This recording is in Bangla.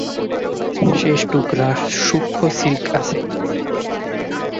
শেষ টুকরা সূক্ষ্ম সিল্ক আছে।